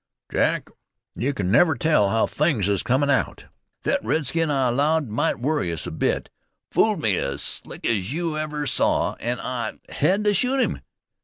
"Jack, you can never tell how things is comin' out. Thet redskin I allowed might worry us a bit, fooled me as slick as you ever saw, an' I hed to shoot him.